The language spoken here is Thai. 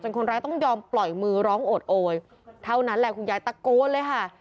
คนร้ายต้องยอมปล่อยมือร้องโอดโอยเท่านั้นแหละคุณยายตะโกนเลยค่ะ